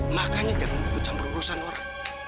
makanya jangan ikut campur urusan orang